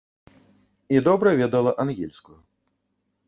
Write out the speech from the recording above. І добра ведала ангельскую.